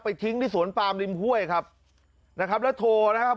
ทิ้งที่สวนปามริมห้วยครับนะครับแล้วโทรนะครับ